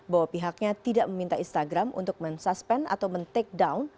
bahwa pihaknya tidak meminta instagram untuk men suspend atau men take down